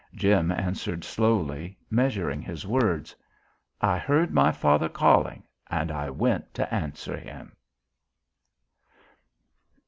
Jim answered slowly, measuring his words: "I heard my Father calling and I went to answer Him!"